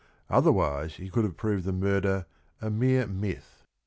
Otherwise he could have proved the murder a "mere myth."